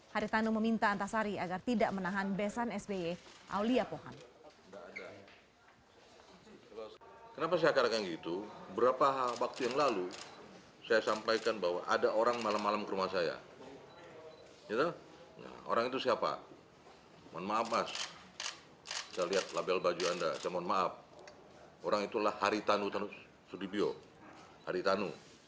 haritanu meminta antasari agar tidak menahan pesan sby aulia pohan